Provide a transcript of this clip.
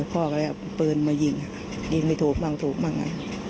พ่อก็เอาเปลือนมายิงยิงไม่ถูกบ้าง